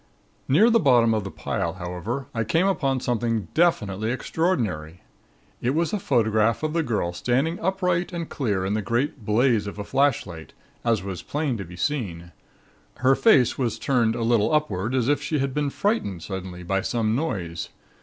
Near the bottom of the pile, however, I came upon something definitely extraordinary. It was a photograph of the girl standing abrupt and clear in the great blaze of a flashlight, as was plain to be seen. Her face was turned a little upward as if she had been frightened suddenly by some noise.